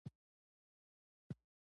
څاروي روزنه غواړي.